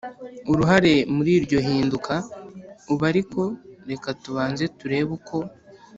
uruhare muri iryo hinduka. ubu ariko, reka tubanze turebe uko